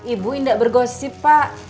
ibu enggak bergosip pak